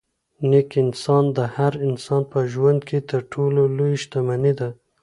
نېک اخلاق د هر انسان په ژوند کې تر ټولو لویه شتمني ده.